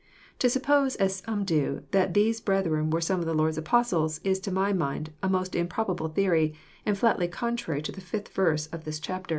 To suppose, as some do, that these brethren were some of our Lord's Apostles, is to my mind a most improbable theory, and flatly contrarj* to the 5th verse of this chapter.